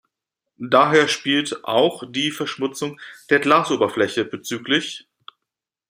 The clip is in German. Daher spielt auch die Verschmutzung der Glasoberfläche bzgl.